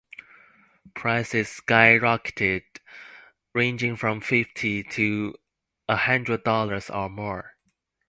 Prices skyrocketed, ranging from fifty to a hundred dollars or more.